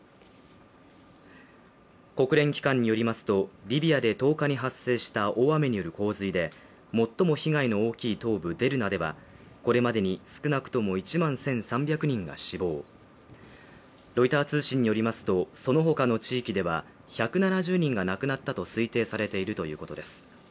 国連機関によりますと、リビアで１０日に発生した大雨による洪水で最も被害の大きい東部デルナではこれまでに少なくとも１万１３００人が死亡、ロイター通信によりますと、その他の地域では１７０人が亡くなったと推定されているということです。